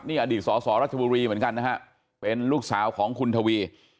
นี่อดีตสสรัชบุรีเหมือนกันนะฮะเป็นลูกสาวของคุณทวี